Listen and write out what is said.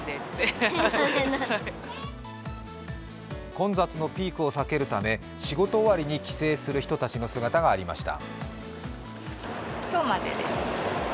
混雑のピークを避けるため仕事終わりに帰省する人たちの姿がありました。